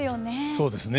そうですね。